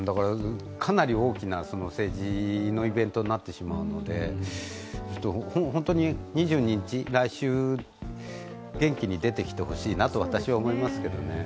かなり大きな政治のイベントになってしまうので２２日、来週、元気に出てきてほしいなと私は思いますけどね。